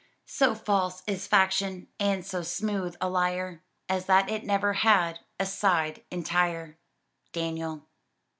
"So false is faction, and so smooth a liar, As that it never had a side entire." DANIEL.